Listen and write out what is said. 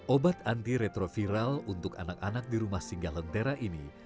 obat anti retroviral untuk anak anak di rumah singgah lentera ini